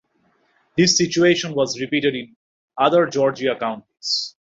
This situation was repeated in other Georgia counties.